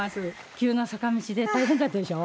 急な坂道で大変だったでしょ？